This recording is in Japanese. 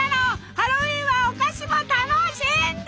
ハロウィーンはお菓子も楽しんで！